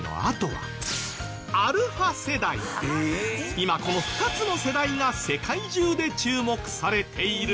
今この２つの世代が世界中で注目されている！？